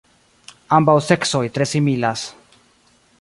Ambaŭ seksoj tre similas.